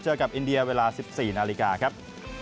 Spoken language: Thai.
กับอินเดียเวลา๑๔นาฬิกาครับ